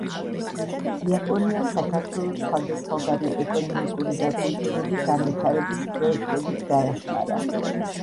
იაპონია საქართველოს სხვადასხვაგვარი ეკონომიკური და კულტურული განვიტარების პროექტებით დაეხმარა.